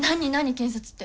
検察って。